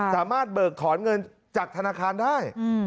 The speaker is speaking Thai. สามารถเบิกถอนเงินจากธนาคารได้